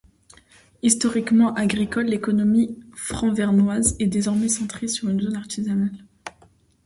Historiquement agricole, l'économie franvernoise est désormais centré sur une zone artisanale.